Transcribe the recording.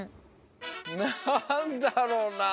なんだろうな。